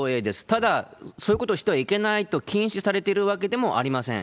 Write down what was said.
ただ、そういうことをしてはいけないと禁止されているわけでもありません。